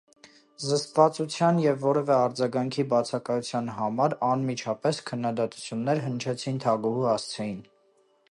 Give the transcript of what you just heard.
Զսպվածության և որևէ արձագանքի բացակայության համար անմիջապես քննադատություններ հնչեցին թագուհու հասցեին։